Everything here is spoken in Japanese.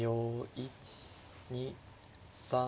１２３。